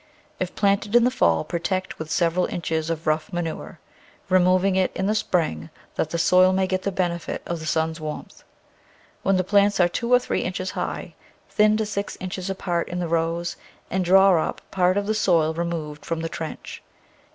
If planted in the fall protect with several inches of rough manure, removing it in the spring that the soil may get the benefit of the sun's warmth. When the plants are two or three inches high thin to six inches apart in the rows, and draw up part of the soil removed from the trench.